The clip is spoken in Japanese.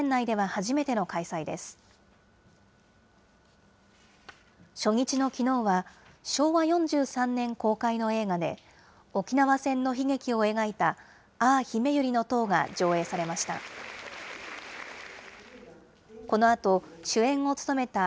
初日のきのうは、昭和４３年公開の映画で、沖縄戦の悲劇を描いたあゝひめゆりの塔が上映されました。